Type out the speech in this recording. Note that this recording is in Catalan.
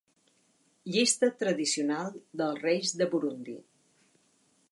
Llista tradicional dels reis de Burundi.